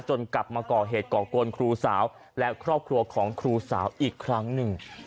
กลับมาก่อเหตุก่อกวนครูสาวและครอบครัวของครูสาวอีกครั้งหนึ่ง